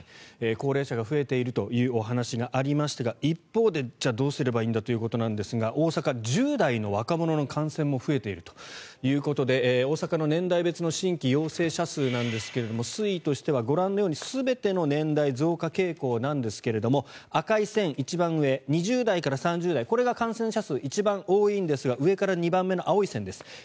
高齢者が増えているというお話がありましたが一方でじゃあどうすればいいんだということですが大阪、１０代の若者の感染も増えているということで大阪の年代別の新規陽性者数なんですが推移としてはご覧のように全ての年代増加傾向なんですが赤い線、一番上２０代から３０代これが感染者数が一番多いんですが上から２番目の青い線です。